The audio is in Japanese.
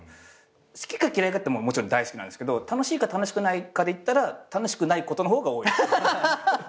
好きか嫌いかってもちろん大好きなんですけど楽しいか楽しくないかでいったら楽しくないことの方が多い。